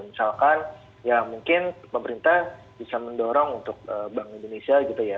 misalkan ya mungkin pemerintah bisa mendorong untuk bank indonesia gitu ya